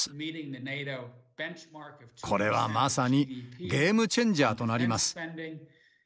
これはまさにゲームチェンジャーとなります。